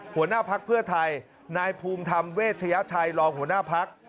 หัวหน้าพักเพื่อไทยนายภูมิธรรมเวชยชัยรองหัวหน้าพัก